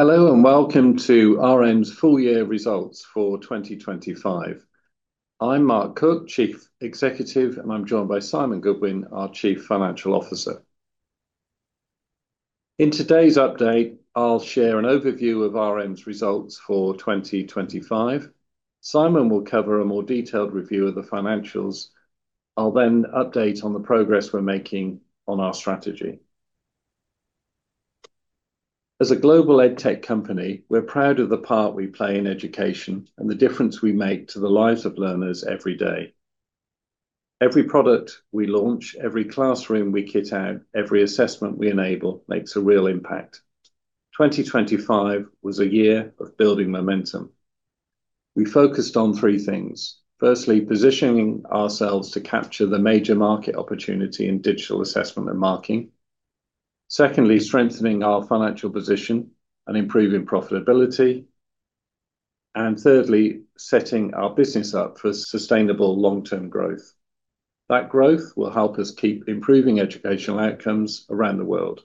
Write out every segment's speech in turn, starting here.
Hello, welcome to RM's Full Year Results for 2025. I'm Mark Cook, Chief Executive, and I'm joined by Simon Goodwin, our Chief Financial Officer. In today's update, I'll share an overview of RM's Results for 2025. Simon will cover a more detailed review of the financials. I'll update on the progress we're making on our strategy. As a global edtech company, we're proud of the part we play in education and the difference we make to the lives of learners every day. Every product we launch, every classroom we kit out, every assessment we enable makes a real impact. 2025 was a year of building momentum. We focused on three things. Firstly, positioning ourselves to capture the major market opportunity in digital assessment and marking. Secondly, strengthening our financial position and improving profitability. Thirdly, setting our business up for sustainable long-term growth. That growth will help us keep improving educational outcomes around the world.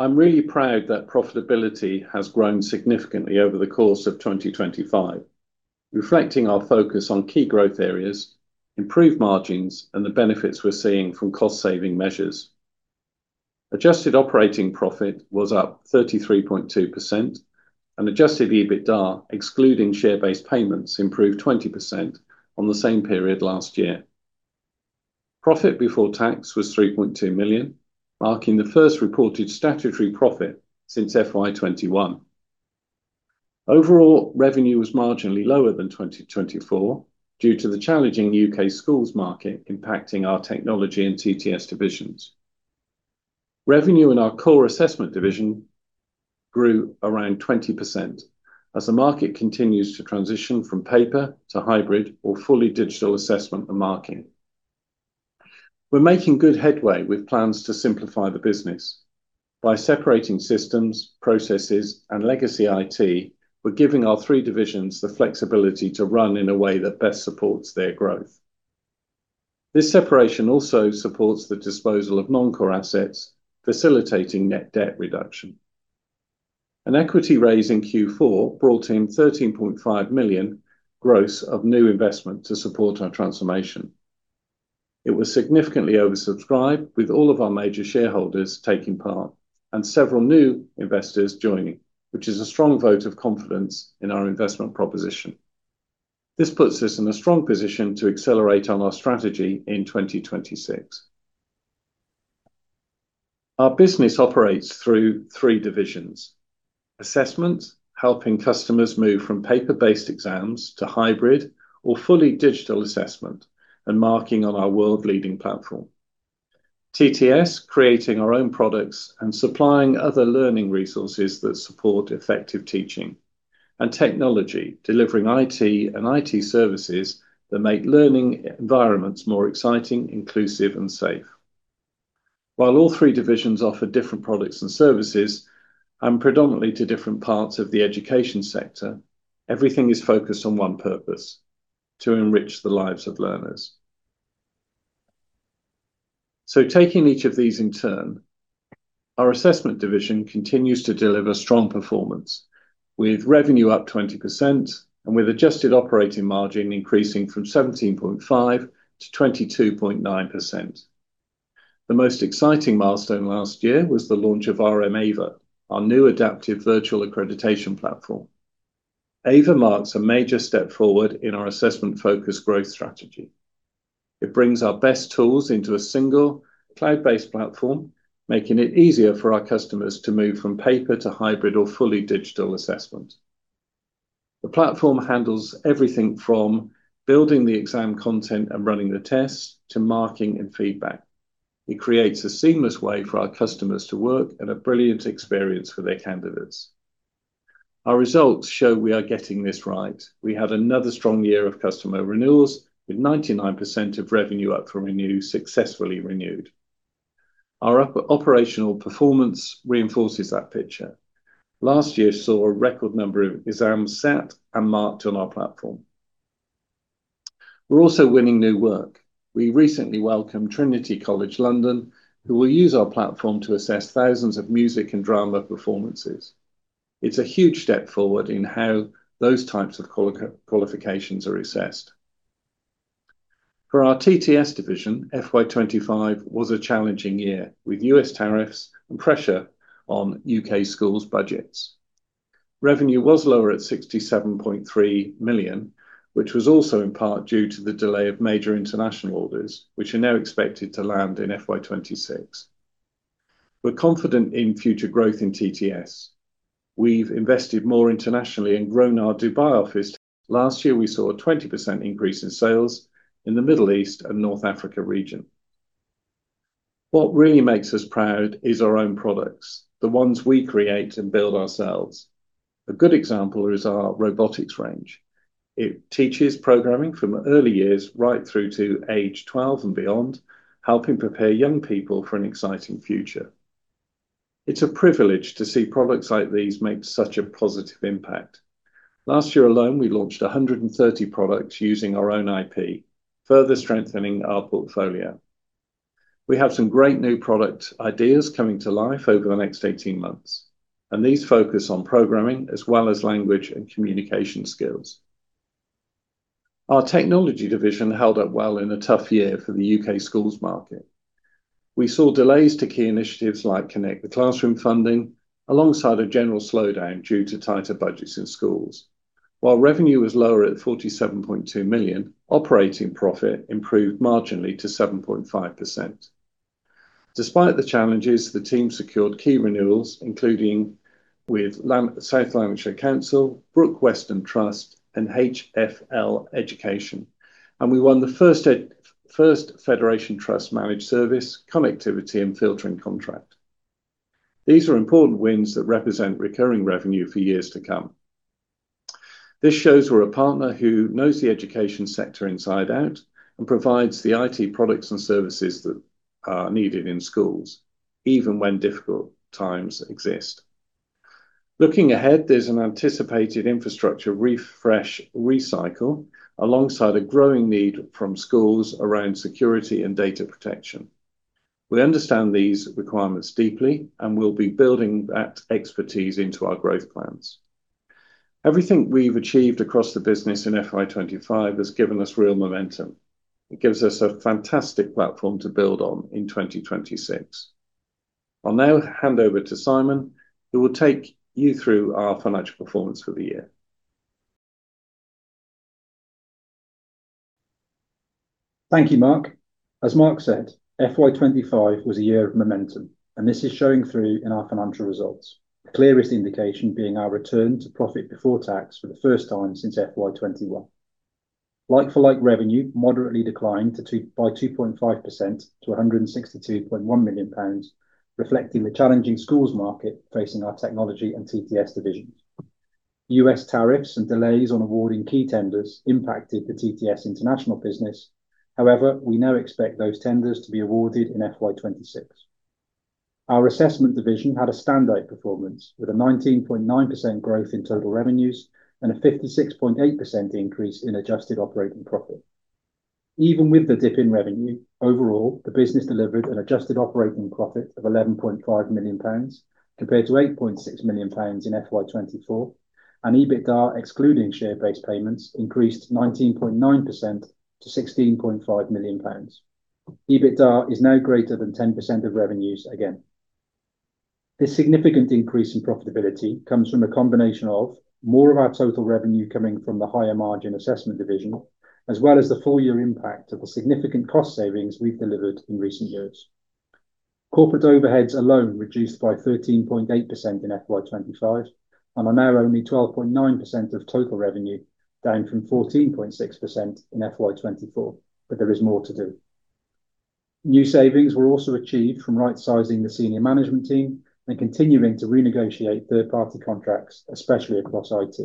I'm really proud that profitability has grown significantly over the course of 2025, reflecting our focus on key growth areas, improved margins, and the benefits we're seeing from cost-saving measures. Adjusted operating profit was up 33.2%, and adjusted EBITDA, excluding share-based payments, improved 20% on the same period last year. Profit before tax was 3.2 million, marking the first reported statutory profit since FY 2021. Overall, revenue was marginally lower than 2024 due to the challenging U.K. schools market impacting our Technology and TTS divisions. Revenue in our core Assessment division grew around 20% as the market continues to transition from paper to hybrid or fully digital assessment and marking. We're making good headway with plans to simplify the business. By separating systems, processes, and legacy IT, we're giving our three divisions the flexibility to run in a way that best supports their growth. This separation also supports the disposal of non-core assets, facilitating net debt reduction. An equity raise in Q4 brought in 13.5 million gross of new investment to support our transformation. It was significantly oversubscribed, with all of our major shareholders taking part and several new investors joining, which is a strong vote of confidence in our investment proposition. This puts us in a strong position to accelerate on our strategy in 2026. Our business operates through three divisions: assessment, helping customers move from paper-based exams to hybrid or fully digital assessment and marking on our world-leading platform; TTS, creating our own products and supplying other learning resources that support effective teaching; and Technology, delivering IT and IT services that make learning environments more exciting, inclusive, and safe. While all three divisions offer different products and services and predominantly to different parts of the education sector, everything is focused on one purpose, to enrich the lives of learners. Taking each of these in turn, our assessment division continues to deliver strong performance with revenue up 20% and with adjusted operating margin increasing from 17.5%-22.9%. The most exciting milestone last year was the launch of RM Ava, our new adaptive virtual accreditation platform. Ava marks a major step forward in our assessment-focused growth strategy. It brings our best tools into a single cloud-based platform, making it easier for our customers to move from paper to hybrid or fully digital assessment. The platform handles everything from building the exam content and running the tests, to marking and feedback. It creates a seamless way for our customers to work and a brilliant experience for their candidates. Our results show we are getting this right. We had another strong year of customer renewals, with 99% of revenue up for renew successfully renewed. Our operational performance reinforces that picture. Last year saw a record number of exams sat and marked on our platform. We're also winning new work. We recently welcomed Trinity College London, who will use our platform to assess thousands of music and drama performances. It's a huge step forward in how those types of qualifications are assessed. For our TTS division, FY 2025 was a challenging year, with U.S. tariffs and pressure on U.K. schools budgets. Revenue was lower at 67.3 million, which was also in part due to the delay of major international orders, which are now expected to land in FY 2026. We're confident in future growth in TTS. We've invested more internationally and grown our Dubai office. Last year, we saw a 20% increase in sales in the Middle East and North Africa region. What really makes us proud is our own products, the ones we create and build ourselves. A good example is our robotics range. It teaches programming from early years right through to age 12 and beyond, helping prepare young people for an exciting future. It's a privilege to see products like these make such a positive impact. Last year alone, we launched 130 products using our own IP, further strengthening our portfolio. We have some great new product ideas coming to life over the next 18 months, these focus on programming as well as language and communication skills. Our RM Technology division held up well in a tough year for the U.K. schools market. We saw delays to key initiatives like Connect the Classroom funding, alongside a general slowdown due to tighter budgets in schools. While revenue was lower at 47.2 million, operating profit improved marginally to 7.5%. Despite the challenges, the team secured key renewals, including with South Lanarkshire Council, Brooke Weston Trust, and HFL Education, and we won the First Federation Trust Managed Service, Connectivity and Filtering contract. These are important wins that represent recurring revenue for years to come. This shows we're a partner who knows the education sector inside out and provides the IT products and services that are needed in schools, even when difficult times exist. Looking ahead, there's an anticipated infrastructure refresh, recycle alongside a growing need from schools around security and data protection. We understand these requirements deeply, and we'll be building that expertise into our growth plans. Everything we've achieved across the business in FY 2025 has given us real momentum. It gives us a fantastic platform to build on in 2026. I'll now hand over to Simon, who will take you through our financial performance for the year. Thank you, Mark. As Mark said, FY 2025 was a year of momentum. This is showing through in our financial results. The clearest indication being our return to profit before tax for the first time since FY 2021. Like-for-like revenue moderately declined by 2.5% to 162.1 million pounds, reflecting the challenging schools market facing our Technology and TTS divisions. U.S. tariffs and delays on awarding key tenders impacted the TTS international business. We now expect those tenders to be awarded in FY 2026. Our Assessment division had a standout performance with a 19.9% growth in total revenues and a 56.8% increase in adjusted operating profit. Even with the dip in revenue, overall, the business delivered an adjusted operating profit of 11.5 million pounds compared to 8.6 million pounds in FY 2024, and EBITDA, excluding share-based payments, increased 19.9% to 16.5 million pounds. EBITDA is now greater than 10% of revenues again. This significant increase in profitability comes from a combination of more of our total revenue coming from the higher margin assessment division, as well as the full-year impact of the significant cost savings we've delivered in recent years. Corporate overheads alone reduced by 13.8% in FY 2025 and are now only 12.9% of total revenue, down from 14.6% in FY 2024. There is more to do. New savings were also achieved from right-sizing the senior management team and continuing to renegotiate third-party contracts, especially across IT.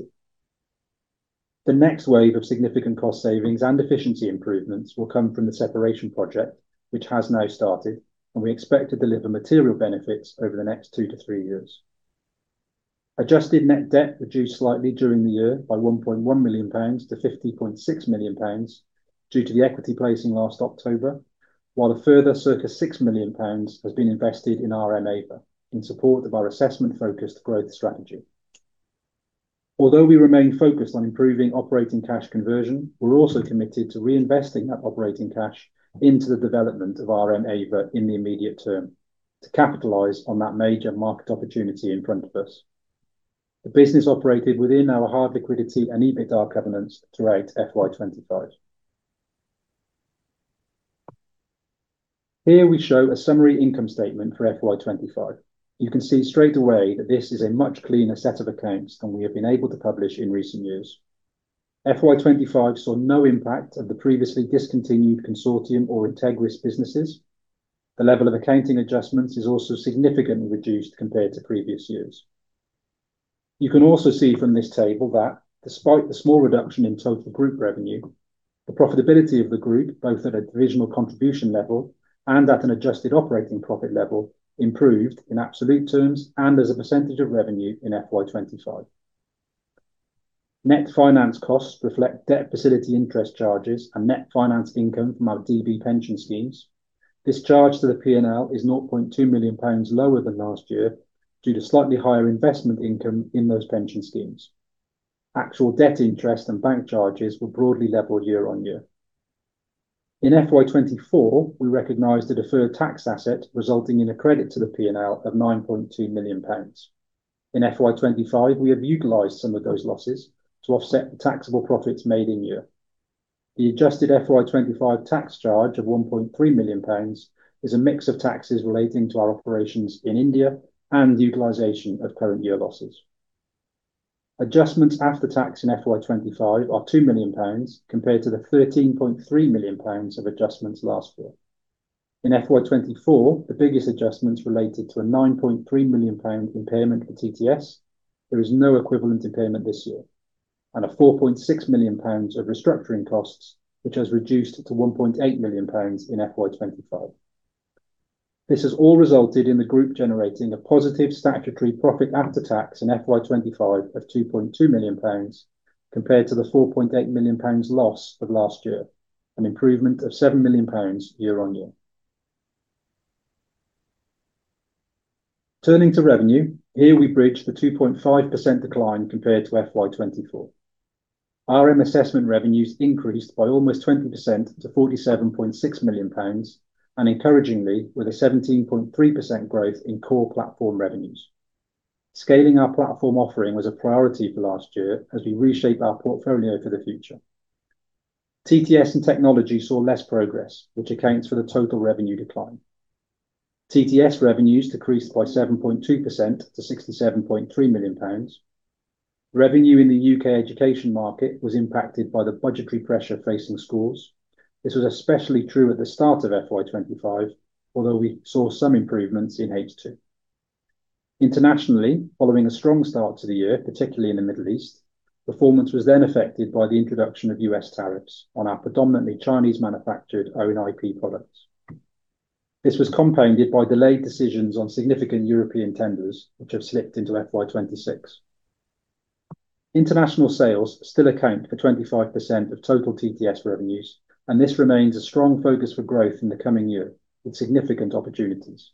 The next wave of significant cost savings and efficiency improvements will come from the separation project, which has now started, and we expect to deliver material benefits over the next two to three years. Adjusted net debt reduced slightly during the year by GBP 1.1 million to GBP 50.6 million due to the equity placing last October, while a further circa 6 million pounds has been invested in RM Ava in support of our assessment-focused growth strategy. We remain focused on improving operating cash conversion, and we're also committed to reinvesting that operating cash into the development of RM Ava in the immediate term to capitalize on that major market opportunity in front of us. The business operated within our hard liquidity and EBITDA covenants throughout FY '25. Here we show a summary income statement for FY '25. You can see straight away that this is a much cleaner set of accounts than we have been able to publish in recent years. FY '25 saw no impact of the previously discontinued Consortium or Integris businesses. The level of accounting adjustments is also significantly reduced compared to previous years. You can also see from this table that, despite the small reduction in total group revenue, the profitability of the group, both at a divisional contribution level and at an adjusted operating profit level, improved in absolute terms and as a percent of revenue in FY '25. Net finance costs reflect debt facility interest charges and net finance income from our DB pension schemes. This charge to the P&L is 0.2 million pounds lower than last year due to slightly higher investment income in those pension schemes. Actual debt interest and bank charges were broadly level year-on-year. In FY 2024, we recognized a deferred tax asset resulting in a credit to the P&L of 9.2 million pounds. In FY 2025, we have utilized some of those losses to offset taxable profits made in-year. The adjusted FY 2025 tax charge of GBP 1.3 million is a mix of taxes relating to our operations in India and the utilization of current year losses. Adjustments after tax in FY 2025 are 2 million pounds compared to the 13.3 million pounds of adjustments last year. In FY 2024, the biggest adjustments related to a 9.3 million pound impairment for TTS. There is no equivalent impairment this year. A 4.6 million pounds of restructuring costs, which has reduced to 1.8 million pounds in FY 2025. This has all resulted in the group generating a positive statutory profit after tax in FY 2025 of 2.2 million pounds compared to the 4.8 million pounds loss of last year, an improvement of 7 million pounds year-on-year. Turning to revenue, here we bridge the 2.5% decline compared to FY 2024. RM Assessment revenues increased by almost 20% to 47.6 million pounds, and encouragingly, with a 17.3% growth in core platform revenues. Scaling our platform offering was a priority last year as we reshaped our portfolio for the future. TTS and Technology saw less progress, which accounts for the total revenue decline. TTS revenues decreased by 7.2% to 67.3 million pounds. Revenue in the UK education market was impacted by the budgetary pressure facing schools. This was especially true at the start of FY 2025, although we saw some improvements in H2. Internationally, following a strong start to the year, particularly in the Middle East, performance was then affected by the introduction of US tariffs on our predominantly Chinese-manufactured own IP products. This was compounded by delayed decisions on significant European tenders, which have slipped into FY 2026. International sales still account for 25% of total TTS revenues, and this remains a strong focus for growth in the coming year with significant opportunities.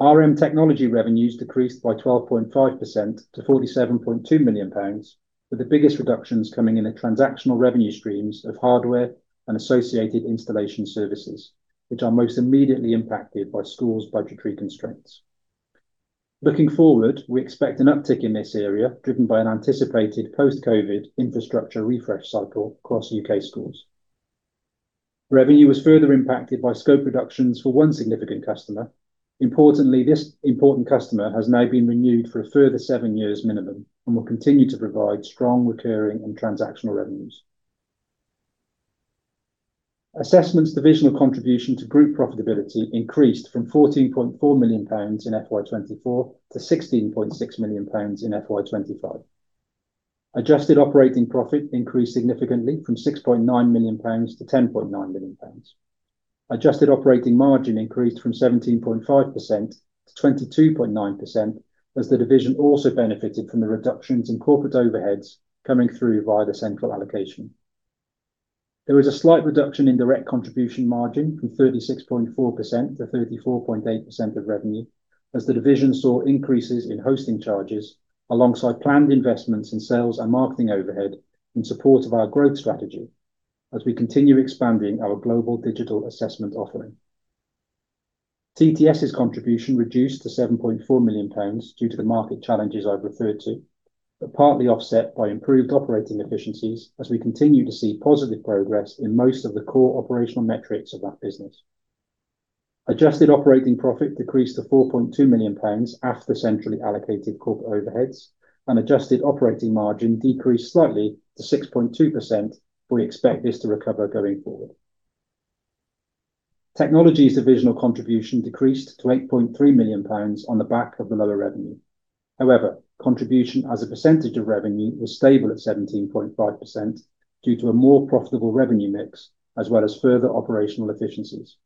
RM Technology revenues decreased by 12.5% to 47.2 million pounds, with the biggest reductions coming in at transactional revenue streams of hardware and associated installation services, which are most immediately impacted by schools' budgetary constraints. Looking forward, we expect an uptick in this area, driven by an anticipated post-COVID infrastructure refresh cycle across U.K. schools. Revenue was further impacted by scope reductions for one significant customer. Importantly, this important customer has now been renewed for a further seven years minimum and will continue to provide strong recurring and transactional revenues. Assessments divisional contribution to group profitability increased from 14.4 million pounds in FY 2024 to 16.6 million pounds in FY 2025. Adjusted operating profit increased significantly from 6.9 million pounds to 10.9 million pounds. Adjusted operating margin increased from 17.5%-22.9% as the division also benefited from the reductions in corporate overheads coming through via the central allocation. There was a slight reduction in direct contribution margin from 36.4%-34.8% of revenue as the division saw increases in hosting charges alongside planned investments in sales and marketing overhead in support of our growth strategy as we continue expanding our global digital assessment offering. TTS's contribution reduced to 7.4 million pounds due to the market challenges I've referred to, but was partly offset by improved operating efficiencies as we continue to see positive progress in most of the core operational metrics of that business. Adjusted operating profit decreased to 4.2 million pounds after centrally allocated corporate overheads, and adjusted operating margin decreased slightly to 6.2%. We expect this to recover going forward. Technology's divisional contribution decreased to 8.3 million pounds on the back of the lower revenue. Contribution as a percentage of revenue was stable at 17.5% due to a more profitable revenue mix as well as further operational efficiencies.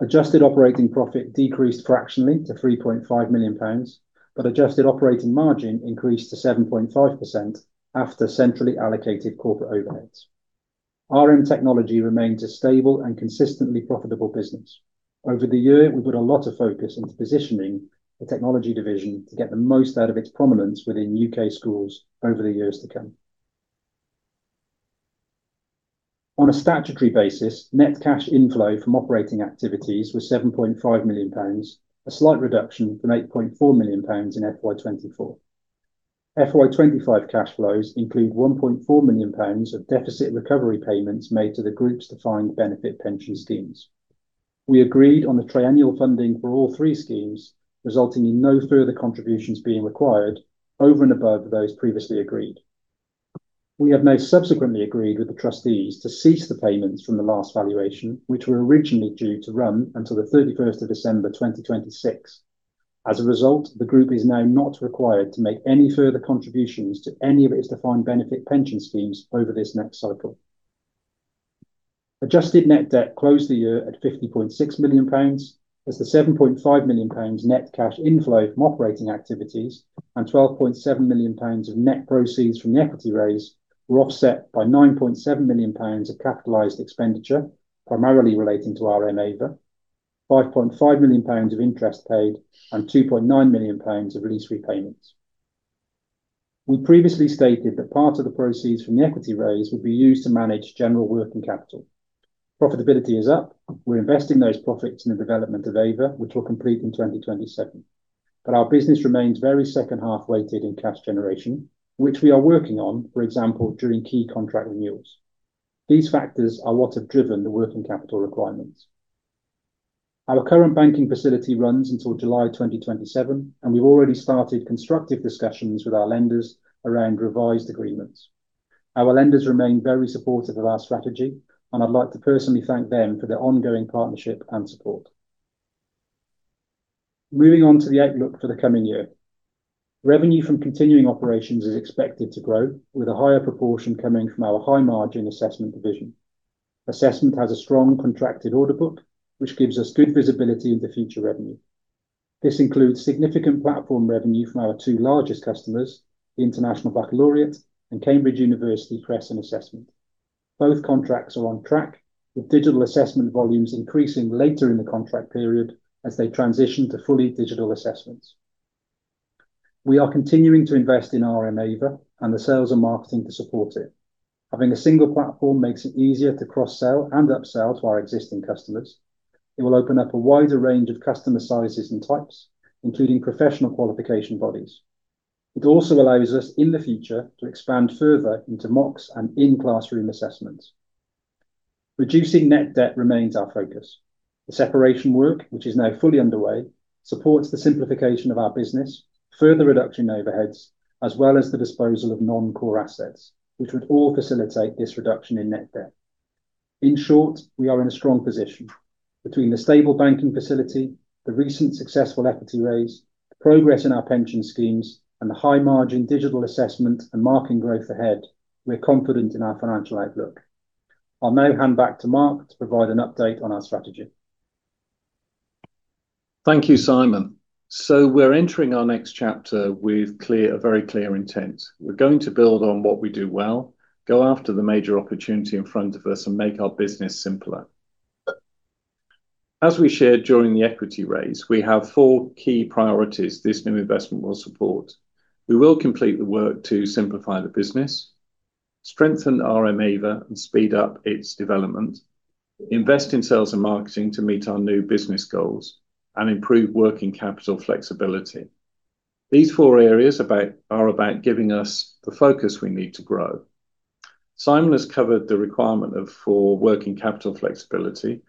Adjusted operating profit decreased fractionally to 3.5 million pounds, but adjusted operating margin increased to 7.5% after centrally allocated corporate overheads. RM Technology remains a stable and consistently profitable business. Over the year, we put a lot of focus into positioning the Technology division to get the most out of its prominence within U.K. schools over the years to come. On a statutory basis, net cash inflow from operating activities was 7.5 million pounds, a slight reduction from 8.4 million pounds in FY 2024. FY 2025 cash flows include 1.4 million pounds of deficit recovery payments made to the group's defined benefit pension schemes. We agreed on the triennial funding for all three schemes, resulting in no further contributions being required over and above those previously agreed. We have now subsequently agreed with the trustees to cease the payments from the last valuation, which were originally due to run until the 31st of December 2026. As a result, the group is now not required to make any further contributions to any of its defined benefit pension schemes over this next cycle. Adjusted net debt closed the year at 50.6 million pounds as the 7.5 million pounds net cash inflow from operating activities, and 12.7 million pounds of net proceeds from the equity raise were offset by 9.7 million pounds of capitalized expenditure, primarily relating to RM Ava, 5.5 million pounds of interest paid, and 2.9 million pounds of lease repayments. We previously stated that part of the proceeds from the equity raise would be used to manage general working capital. Profitability is up. We're investing those profits in the development of Ava, which will complete in 2027. Our business remains very second-half weighted in cash generation, which we are working on, for example, during key contract renewals. These factors are what have driven the working capital requirements. Our current banking facility runs until July 2027. We've already started constructive discussions with our lenders around revised agreements. Our lenders remain very supportive of our strategy. I'd like to personally thank them for their ongoing partnership and support. Moving on to the outlook for the coming year. Revenue from continuing operations is expected to grow with a higher proportion coming from our high-margin assessment division. Assessment has a strong contracted order book, which gives us good visibility into future revenue. This includes significant platform revenue from our two largest customers, the International Baccalaureate and Cambridge University Press & Assessment. Both contracts are on track, with digital assessment volumes increasing later in the contract period as they transition to fully digital assessments. We are continuing to invest in RM Ava and the sales and marketing to support it. Having a single platform makes it easier to cross-sell and upsell to our existing customers. It will open up a wider range of customer sizes and types, including professional qualification bodies. It also allows us in the future to expand further into mocks and in-classroom assessments. Reducing net debt remains our focus. The separation work, which is now fully underway, supports the simplification of our business, further reduction in overheads, as well as the disposal of non-core assets, which would all facilitate this reduction in net debt. In short, we are in a strong position. Between the stable banking facility, the recent successful equity raise, the progress in our pension schemes, and the high-margin digital assessment and marketing growth ahead, we're confident in our financial outlook. I'll now hand back to Mark to provide an update on our strategy. Thank you, Simon. We're entering our next chapter with a very clear intent. We're going to build on what we do well, go after the major opportunity in front of us, and make our business simpler. As we shared during the equity raise, we have four key priorities this new investment will support. We will complete the work to simplify the business, strengthen RM Ava and speed up its development, invest in sales and marketing to meet our new business goals, and improve working capital flexibility. These four areas are about giving us the focus we need to grow. Simon has covered the requirement for working capital flexibility.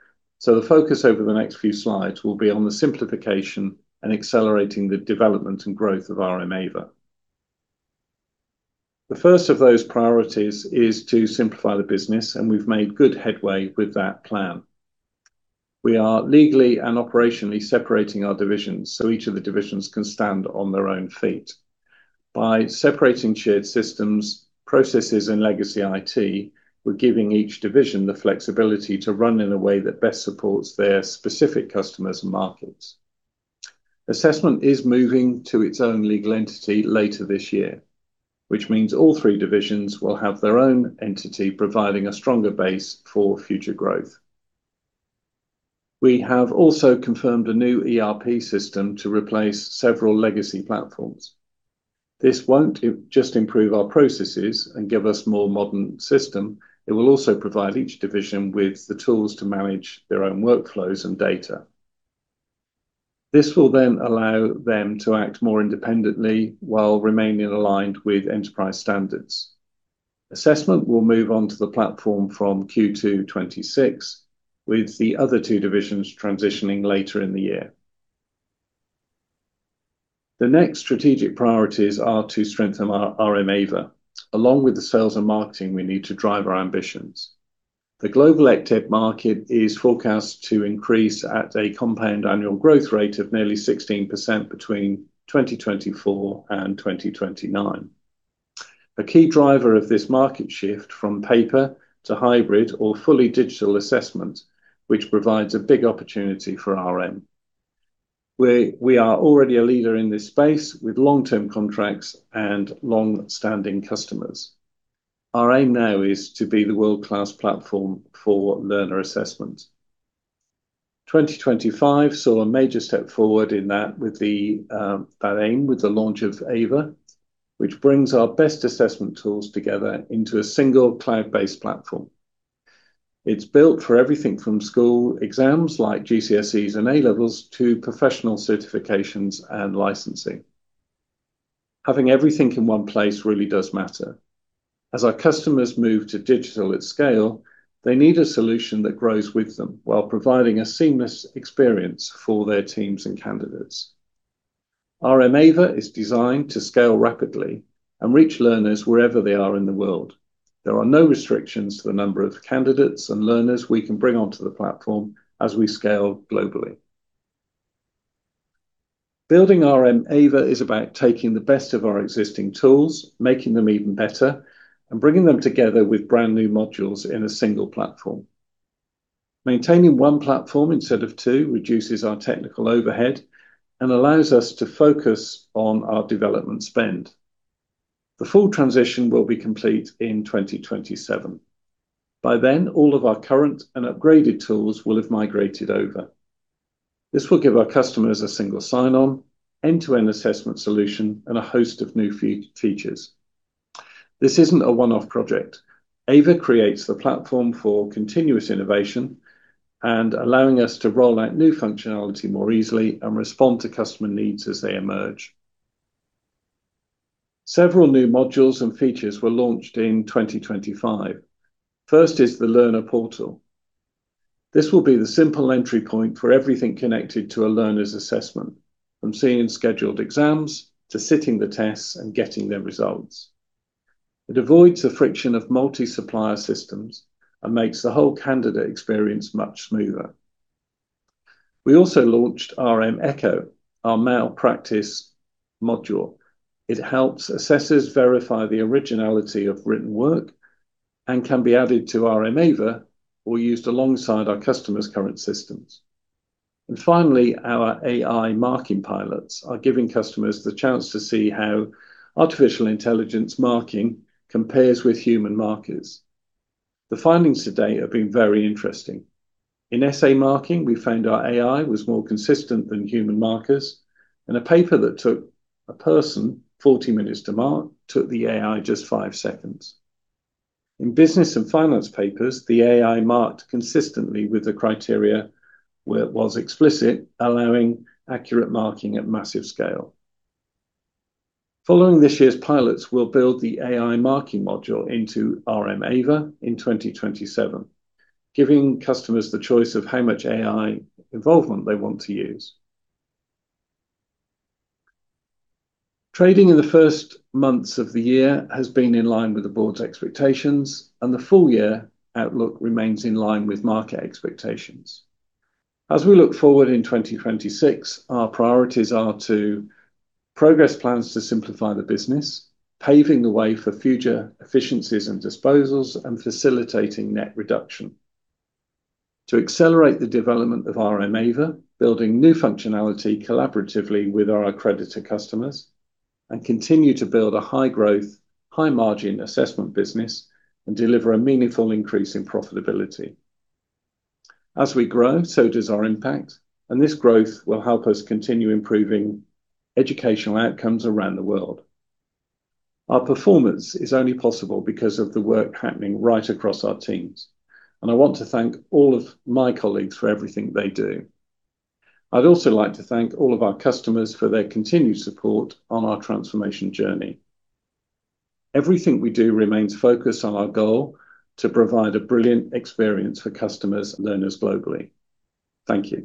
The focus over the next few slides will be on the simplification and accelerating the development and growth of RM Ava. The first of those priorities is to simplify the business. We've made good headway with that plan. We are legally and operationally separating our divisions so each of the divisions can stand on their own feet. By separating shared systems, processes, and legacy IT, we're giving each division the flexibility to run in a way that best supports their specific customers and markets. Assessment is moving to its own legal entity later this year, which means all three divisions will have their own entity, providing a stronger base for future growth. We have also confirmed a new ERP system to replace several legacy platforms. This won't just improve our processes and give us a more modern system; it will also provide each division with the tools to manage their own workflows and data. This will then allow them to act more independently while remaining aligned with enterprise standards. Assessment will move onto the platform from Q2 2026, with the other two divisions transitioning later in the year. The next strategic priorities are to strengthen RM Ava, along with the sales and marketing, we need to drive our ambitions. The global e-assessment market is forecast to increase at a compound annual growth rate of nearly 16% between 2024 and 2029. A key driver of this market shift from paper to hybrid or fully digital assessment, which provides a big opportunity for RM. We are already a leader in this space with long-term contracts and long-standing customers. Our aim now is to be a world-class platform for learner assessment. 2025 saw a major step forward in that with that aim with the launch of Ava, which brings our best assessment tools together into a single cloud-based platform. It's built for everything from school exams like GCSEs and A-levels to professional certifications and licensing. Having everything in one place really does matter. As our customers move to digital at scale, they need a solution that grows with them while providing a seamless experience for their teams and candidates. RM Ava is designed to scale rapidly and reach learners wherever they are in the world. There are no restrictions on the number of candidates and learners we can bring onto the platform as we scale globally. Building RM Ava is about taking the best of our existing tools, making them even better, and bringing them together with brand-new modules in a single platform. Maintaining one platform instead of two reduces our technical overhead and allows us to focus on our development spend. The full transition will be complete in 2027. By then, all of our current and upgraded tools will have migrated over. This will give our customers a single sign-on, end-to-end assessment solution and a host of new features. This isn't a one-off project. Ava creates the platform for continuous innovation, allowing us to roll out new functionality more easily and respond to customer needs as they emerge. Several new modules and features were launched in 2025. First is the learner portal. This will be the simple entry point for everything connected to a learner's assessment, from seeing scheduled exams to sitting the tests and getting their results. It avoids the friction of multi-supplier systems and makes the whole candidate experience much smoother. We also launched RM Echo, our malpractice module. It helps assessors verify the originality of written work and can be added to RM Ava or used alongside our customers' current systems. Finally, our AI marking pilots are giving customers the chance to see how artificial intelligence marking compares with human markers. The findings to date have been very interesting. In essay marking, we found our AI was more consistent than human markers, and a paper that took a person 40 minutes to mark took the AI just 5 seconds. In business and finance papers, the AI marked consistently with the criteria where it was explicit, allowing accurate marking at a massive scale. Following this year's pilots, we'll build the AI marking module into RM Ava in 2027, giving customers the choice of how much AI involvement they want to use. Trading in the first months of the year has been in line with the board's expectations; the full-year outlook remains in line with market expectations. As we look forward in 2026, our priorities are to progress plans to simplify the business, paving the way for future efficiencies and disposals and facilitating net reduction. To accelerate the development of RM Ava, building new functionality collaboratively with our accreditor customers, and continue to build a high-growth, high-margin assessment business and deliver a meaningful increase in profitability. As we grow, so does our impact. This growth will help us continue improving educational outcomes around the world. Our performance is only possible because of the work happening right across our teams, and I want to thank all of my colleagues for everything they do. I'd also like to thank all of our customers for their continued support on our transformation journey. Everything we do remains focused on our goal to provide a brilliant experience for customers and learners globally. Thank you.